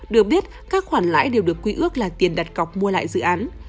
được biết các khoản lãi đều được quy ước là tiền đặt cọc mua lại dự án